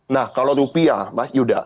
nah kalau rupiah mas yuda